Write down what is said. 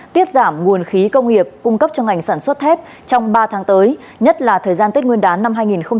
tiết giảm nguồn khí công nghiệp cung cấp cho ngành sản xuất thép trong ba tháng tới nhất là thời gian tết nguyên đán năm hai nghìn hai mươi